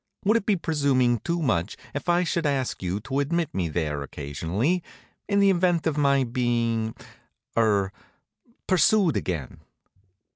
Would it be presuming too much if I should ask you to admit me there occasionally, in the event of my being er pursued again?"